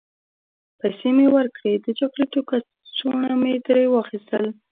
پیسې مې ورکړې، د چاکلیټو کڅوڼه مې ترې واخیستل.